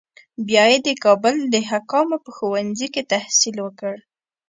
بیا یې د کابل د حکامو په ښوونځي کې تحصیل وکړ.